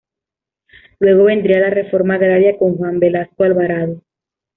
Luego vendría la Reforma Agraria con Juan Velasco Alvarado.